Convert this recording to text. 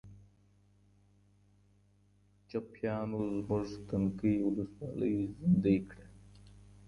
چپیانو زموږ تنکۍ ولسواکي زندۍ کړه.